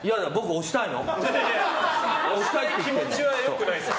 押したい気持ちは良くないです。